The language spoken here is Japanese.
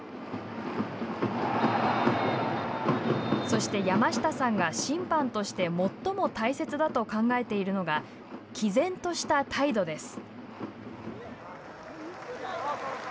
そして、山下さんが審判として最も大切だと考えているのがきぜんとした態度です。